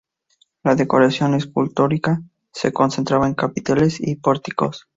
La decoración escultórica se concentraba en capiteles y pórticos.